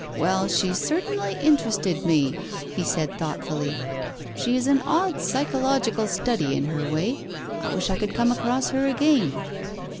Well, she certainly interested me," he said thoughtfully. "She is an odd psychological study in her way. I wish I could come across her again."